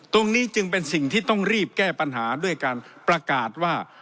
ตรงนี้จึงเป็นสิ่งที่ต้องรีบแก้ปัญหาด้วยการประกาศว่า